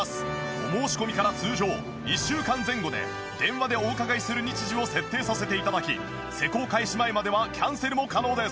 お申し込みから通常１週間前後で電話でお伺いする日時を設定させて頂き施工開始前まではキャンセルも可能です。